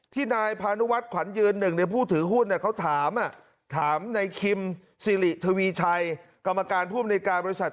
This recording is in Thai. นายพานุวัฒนขวัญยืนหนึ่งในผู้ถือหุ้นเขาถามถามในคิมสิริทวีชัยกรรมการผู้อำนวยการบริษัท